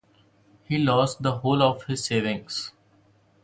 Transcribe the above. He lost the whole of his savings.